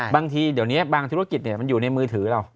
บางทีเดี๋ยวนี้บางธุรกิจมันอยู่ในมือถือเรา